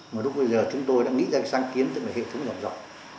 mà lúc bây giờ chúng tôi đã nghĩ ra sáng kiến tên là hệ thống nhỏ rộng